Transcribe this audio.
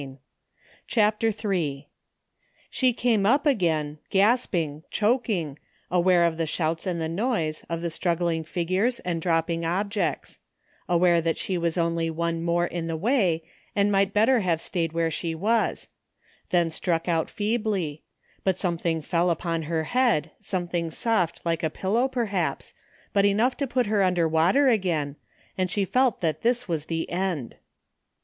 3 33 CHAPTER III She came up again gasping, didcing, aware of the shouts and the noise, of the struggling figures and dropping objects; aware that she was only one more in the way and might better have stayed where she was; then struck out feebly; but something fell upon her head, something soft like a pillow perhaps, but enough to put her imder water again, and she felt that this was the end.